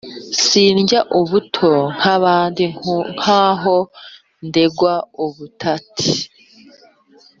Sindya ubuto nk’abandi Nk’aho ndegwa ubutati